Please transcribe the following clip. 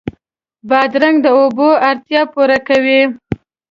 بادرنګ د اوبو اړتیا پوره کوي.